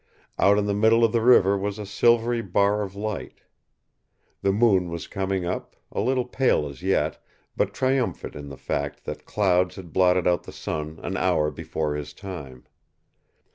Out on the middle of the river was a silvery bar of light. The moon was coming up, a little pale as yet, but triumphant in the fact that clouds had blotted out the sun an hour before his time.